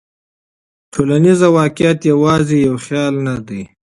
ټولنیز واقعیت یوازې یو خیال نه دی.